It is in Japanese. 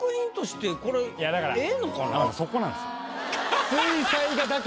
そこなんすよ。